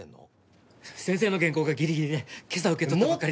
先生の原稿がギリギリで今朝受け取ったばっかりで。